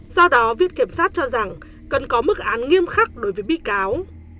do đó viện kiểm sát cho rằng cần có mức án nghiêm khắc đối với bị cáo